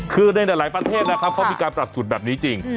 คือในหลายประเทศนะครับเขามีการปรับสูตรแบบนี้จริง